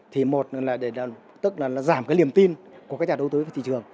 thì một tức là giảm cái liềm tin của các nhà đầu tư về thị trường